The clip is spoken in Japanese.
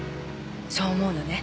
そう思うのね？